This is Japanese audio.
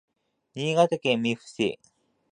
新潟県見附市